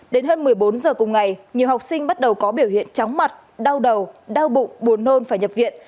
đến hơn một mươi bốn giờ cùng ngày nhiều học sinh bắt đầu có biểu hiện chóng mặt đau đầu đau bụng buồn nôn phải nhập viện